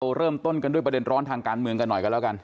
เริ่มต้นกันด้วยประเด็นร้อนทางการเมืองกันหน่อยกันแล้วกัน